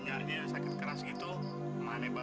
saya hanya berdoa saja